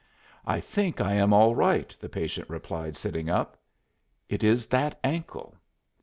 "I think I am all right," the patient replied, sitting up. "It is that ankle."